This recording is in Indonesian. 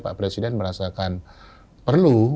pak presiden merasakan perlu